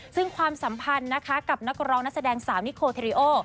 ซึ่งความสัมพันธ์นะคะกับนักร้องนักแสดงสาวนิโคเทริโอ